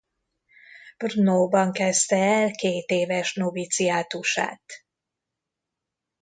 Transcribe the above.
Brnóban kezdte el kétéves noviciátusát.